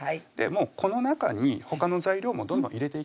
この中にほかの材料もどんどん入れていきます